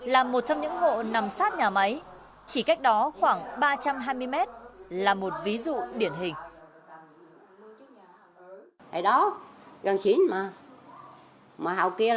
là một trong những hộ nằm sát nhà máy chỉ cách đó khoảng ba trăm hai mươi mét là một ví dụ điển hình